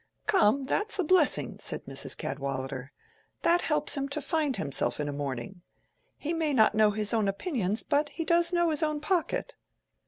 "Come, that's a blessing," said Mrs. Cadwallader. "That helps him to find himself in a morning. He may not know his own opinions, but he does know his own pocket."